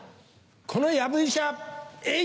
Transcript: このやぶ医者エイ！